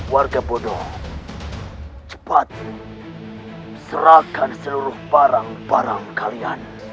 warga bodoh cepat serahkan seluruh barang barang kalian